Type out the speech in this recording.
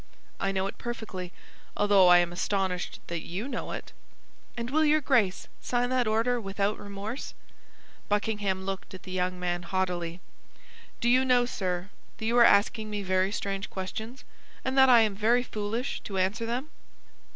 "I know it perfectly, although I am astonished that you know it." "And will your Grace sign that order without remorse?" Buckingham looked at the young man haughtily. "Do you know, sir, that you are asking me very strange questions, and that I am very foolish to answer them?"